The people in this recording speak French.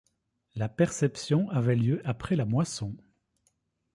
La perception avait lieu après la moisson.